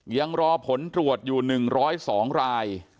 ยังรอผลตรวจอยู่๑๐๒ราย